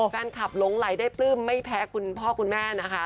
แฟนคลับหลงไหลได้ปลื้มไม่แพ้คุณพ่อคุณแม่นะคะ